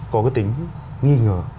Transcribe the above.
có cái tính nghi ngờ